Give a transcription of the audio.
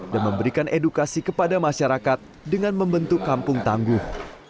dan memberikan edukasi kepada masyarakat dengan membentuk kampung tangguh